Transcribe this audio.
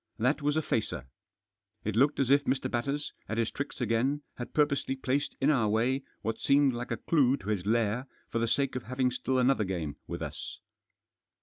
That was a facer. It looked as if Mr. Batters, at his tricks again, had purposely placed In our way what seemed like a clue to his lair for the sake of having still another game with us.